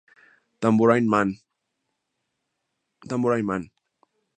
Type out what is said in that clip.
Tambourine Man.